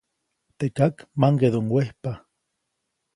Teʼ kak maŋgeʼduʼuŋ wejpa.